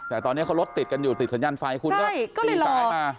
แต่ตอนนี้เขารถติดกันอยู่ติดสัญญาณไฟคุณก็ปีนซ้ายมา